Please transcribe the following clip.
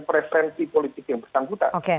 preferensi politik yang bersangkutan